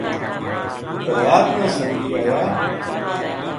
رات نا سنگی ایا